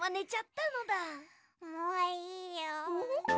もういいよ。